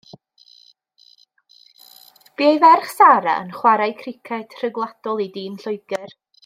Bu ei ferch Sarah yn chwarae criced rhyngwladol i dîm Lloegr.